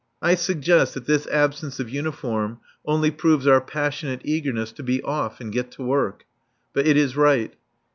I suggest that this absence of uniform only proves our passionate eagerness to be off and get to work. But it is right.